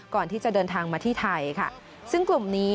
ก่อนที่จะเดินทางมาที่ไทยค่ะซึ่งกลุ่มนี้